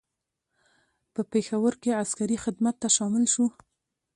په پېښور کې عسکري خدمت ته شامل شو.